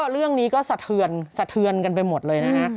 เรื่องนี้ก็สะเทือนกันไปหมดเลยนะคะ